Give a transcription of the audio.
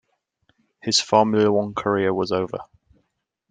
His Formula One career was over.